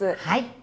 はい。